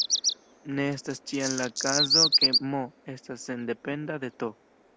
Ne estas ĉiam la kazo ke "m" estas sendependa de "t".